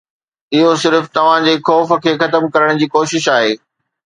اهو صرف توهان جي خوف کي ختم ڪرڻ جي ڪوشش آهي.